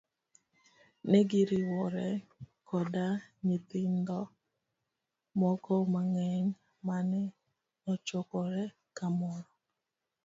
Negiriwore koda nyithindo moko mang'eny mane ochokore kamoro.